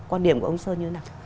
quan điểm của ông sơn như thế nào